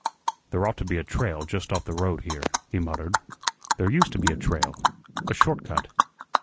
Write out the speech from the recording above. "There ought to be a trail just off the road here," he muttered. "There used to be a trail a short cut."